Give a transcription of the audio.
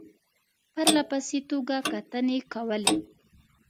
پرله پسې توګه کتنې کولې.